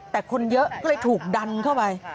แต่คนเยอะก็เลยถูกดันเข้าไป